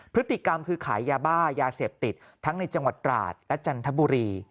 พฤติกรรมคือขายยาบ้ายาเสพติดทั้งในจังหวัดตราดและจันทบุรี